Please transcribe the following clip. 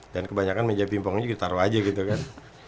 dan kebanyakan meja pingpongnya kita taruh aja gitu kan